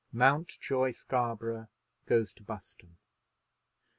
MOUNTJOY SCARBOROUGH GOES TO BUSTON.